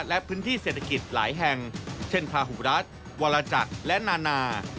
และพื้นที่เศรษฐกิจหลายแห่งเช่นพาหุรัฐวรจักรและนานา